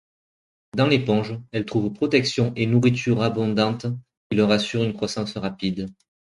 Dans l'éponge, elles trouvent protection et nourriture abondante, qui leur assure une croissance rapide.